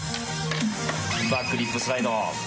バックリップスライド。